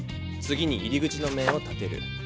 次に入り口の面を立てる。